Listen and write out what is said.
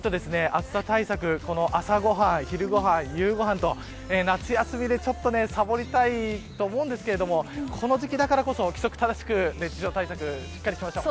しっかりと暑さ対策朝ご飯、昼ご飯、夕ご飯と夏休みでさぼりたいと思うんですけれどもこの時期だからこそ規則正しく熱中症対策しっかりしましょう。